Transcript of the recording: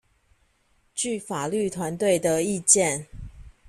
據法律團隊的意見